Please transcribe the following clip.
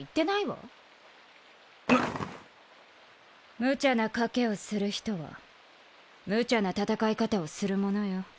むちゃな賭けをする人はむちゃな戦い方をするものよ。